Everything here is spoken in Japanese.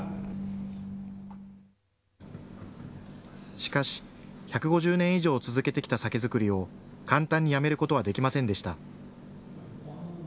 しかし１５０年以上続けてきた酒造りを簡単にやめることはできませんでした。